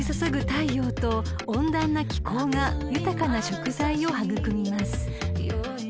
太陽と温暖な気候が豊かな食材を育みます］